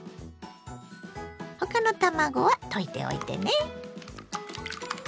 他の卵は溶いておいてね。